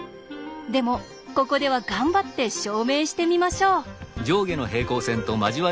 でもここでは頑張って証明してみましょう。